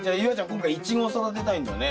今回イチゴを育てたいんだね。